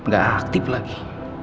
gak aktif lagi